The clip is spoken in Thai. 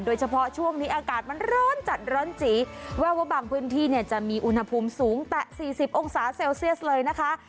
โดยเฉพาะช่วงนี้อากาศมันร้อนจัดร้อนจีแววว่าบางพื้นที่เนี่ยจะมีอุณหภูมิสูงแต่๔๐องศาเซลเซียสเลยนะคะ